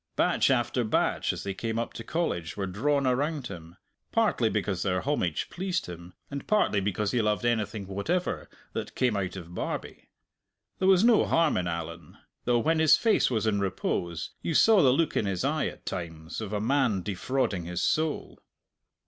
Batch after batch as they came up to College were drawn around him partly because their homage pleased him, and partly because he loved anything whatever that came out of Barbie. There was no harm in Allan though when his face was in repose you saw the look in his eye at times of a man defrauding his soul.